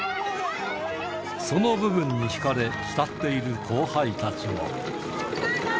その部分に引かれ、慕っている後輩たちも。